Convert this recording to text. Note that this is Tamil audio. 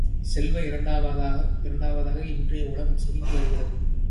செல்வ, இரண்டாவதாக இன்றைய உலகம் சுருங்கி வருகிறது.